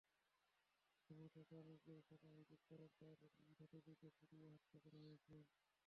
সুমার চাচা আলমগীর হোসেন অভিযোগ করেন, তাঁর ভাতিজিকে পুড়িয়ে হত্যা করা হয়েছে।